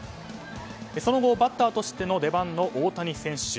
その後、バッターとしての出番の大谷選手。